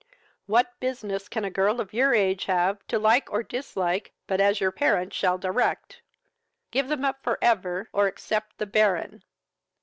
What business can a girl of your age have to like or dislike but as your parents shall direct? Give them up for ever, or accept the Baron!